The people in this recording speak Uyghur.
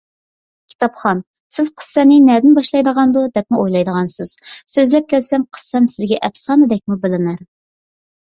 كىتابخان، سىز قىسسەنى نەدىن باشلايدىغاندۇ، دەپمۇ ئويلايدىغانسىز، سۆزلەپ كەلسەم، قىسسەم سىزگە ئەپسانىدەكمۇ بىلىنەر.